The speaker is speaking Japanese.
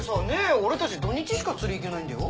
俺たち土日しか釣り行けないんだよ。